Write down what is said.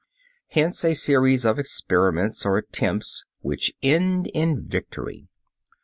Hence a series of "experiments," of "attempts" which end in victory.